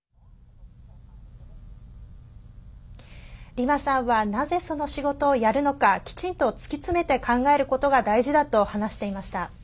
リマさんはなぜその仕事をやるのかきちんと突き詰めて考えることが大事だと話していました。